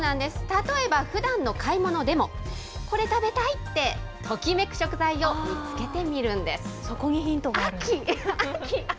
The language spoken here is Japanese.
例えば、ふだんの買い物でも、これ食べたいってときめく食材を見つけてみるんです。